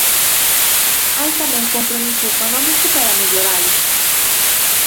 Hai tamén compromiso económico para melloralo.